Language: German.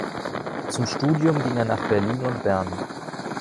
Zum Studium ging er nach Berlin und Bern.